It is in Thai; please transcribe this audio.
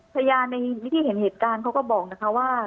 พยานในที่เห็นเหตุการณ์เขาก็บอกนะคะว่า